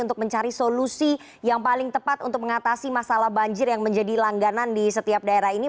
untuk mencari solusi yang paling tepat untuk mengatasi masalah banjir yang menjadi langganan di setiap daerah ini